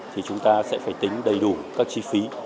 thì chúng ta sẽ phải tính đầy đủ các chi phí